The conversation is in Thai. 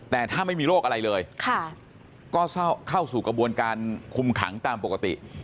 แต่ถ้าไม่มีโรคอะไรเลยก็เข้าสู่กระบวนการคุมขังตามปกติ